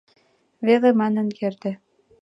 — веле манын керте.